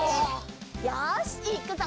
よしいくぞ！